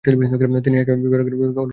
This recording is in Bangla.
তিনি হ্যাক বায়রাম-ভেলির অনুসারী ছিলেন।